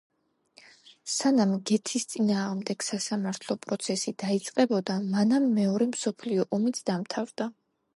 სანამ გეთის წინააღმდეგ სასამართლო პროცესი დაიწყებოდა, მანამ მეორე მსოფლიო ომიც დამთავრდა.